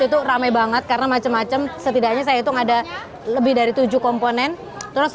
itu rame banget karena macem macem setidaknya saya hitung ada lebih dari tujuh komponen terus